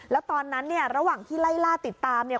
แล้วตอนนั้นเนี่ยระหว่างที่ไล่ล่าติดตามเนี่ย